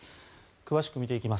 詳しく見ていきます。